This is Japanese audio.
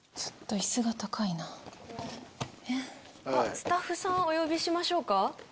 スタッフさんお呼びしましょうか？